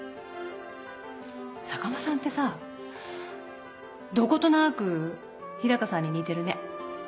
坂間さんってさどことなく日高さんに似てるね。